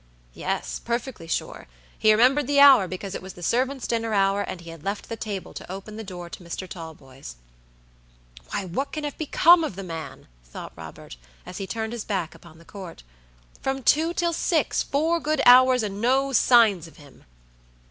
Yes, perfectly sure. He remembered the hour because it was the servants' dinner hour, and he had left the table to open the door to Mr. Talboys. "Why, what can have become of the man?" thought Robert, as he turned his back upon the Court. "From two till sixfour good hoursand no signs of him!"